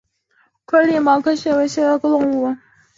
颗粒毛壳蟹为扇蟹科毛壳蟹属的动物。